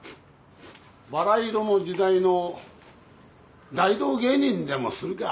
バラ色の時代の大道芸人にでもするか。